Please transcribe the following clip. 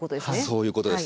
そういうことです。